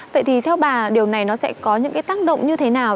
vậy thì theo bà điều này nó sẽ có những cái tác động như thế nào